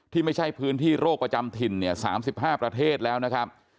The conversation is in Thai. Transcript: ไม่ใช่พื้นที่โรคประจำถิ่นเนี่ย๓๕ประเทศแล้วนะครับ